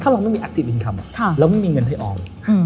เรายังไม่มีเหราะการสร้างเงินให้ออม